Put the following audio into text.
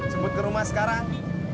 jemput ke rumah sekarang